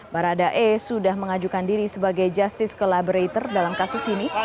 baradae sudah mengajukan diri sebagai justice collaborator dalam kasus ini